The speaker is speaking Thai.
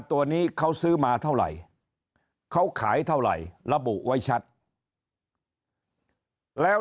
ตัวนี้เขาซื้อมาเท่าไหร่เขาขายเท่าไหร่ระบุไว้ชัดแล้ว